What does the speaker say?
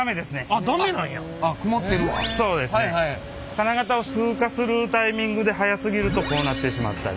金型を通過するタイミングで速すぎるとこうなってしまったり。